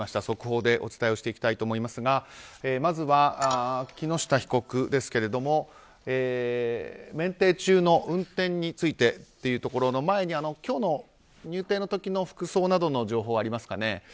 速報でお伝えしていきたいと思いますがまずは木下被告ですが免停中の運転についてというところの前に今日の入廷の時の服装などの情報はありますかね。